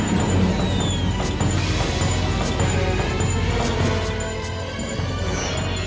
เจ้าพวกมันแม่เอ้า